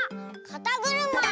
「かたぐるま」！